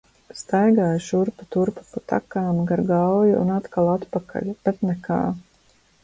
Staigāju šurpu turpu pa takām, gar Gauju un atkal atpakaļ, bet nekā.